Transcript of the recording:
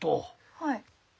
はい。